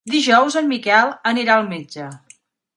Dijous en Miquel anirà al metge.